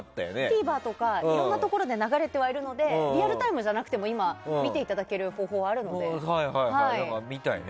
ＴＶｅｒとかいろいろなところで流れてはいるのでリアルタイムじゃなくても、今は見ていただける方法はあるので。